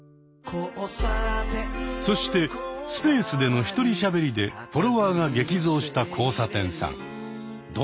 そしてスペースでの１人しゃべりでフォロワーが激増した交差点さん。